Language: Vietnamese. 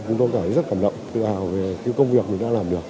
chúng tôi cảm thấy rất cảm động tự hào về cái công việc mình đã làm được